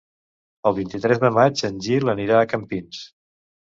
El vint-i-tres de maig en Gil anirà a Campins.